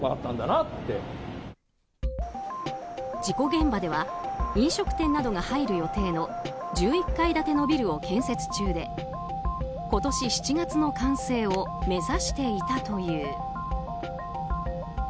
事故現場では飲食店などが入る予定の１１階建てのビルを建設中で今年７月の完成を目指していたという。